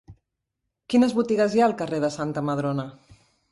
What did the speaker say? Quines botigues hi ha al carrer de Santa Madrona?